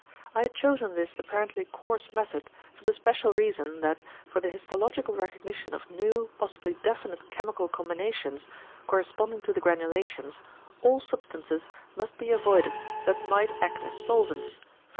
I had chosen this apparently coarse method for the special reason that for the histological recognition of new, possibly definite chemical combinations, corresponding to the granulations, all substances must be avoided that might act as solvents, _e.